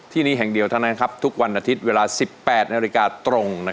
ที่นี่แห่งเดียวเท่านั้นทุกวันอาทิตย์เวลา๑๘นาฬิกาตรง